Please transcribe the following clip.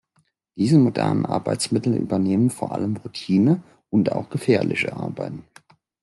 Diese modernen Arbeitsmittel übernehmen vor allem Routine- und auch gefährliche Arbeiten.